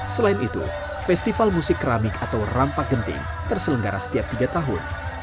selain itu festival musik keramik atau rampak genting terselenggara setiap tiga tahun